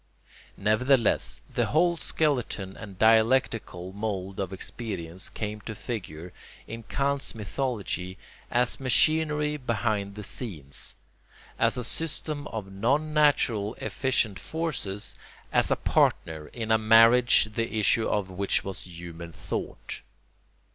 Nevertheless, the whole skeleton and dialectical mould of experience came to figure, in Kant's mythology, as machinery behind the scenes, as a system of non natural efficient forces, as a partner in a marriage the issue of which was human thought.